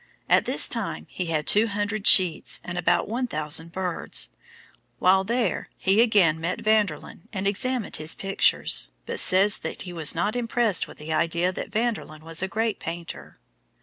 At this time he had two hundred sheets, and about one thousand birds. While there he again met Vanderlyn and examined his pictures, but says that he was not impressed with the idea that Vanderlyn was a great painter.